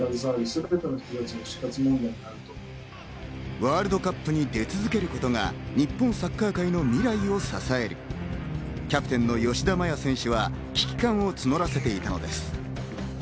ワールドカップに出続けることが日本サッカー界の未来を支える、キャプテンの吉田麻也選手は危機感を募らせていたのです。